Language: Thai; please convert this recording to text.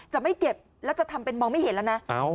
จะไม่เก็บแล้วจะทำเป็นมองไม่เห็นแล้วนะ